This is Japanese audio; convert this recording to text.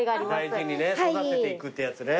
大事にね育てていくってやつね。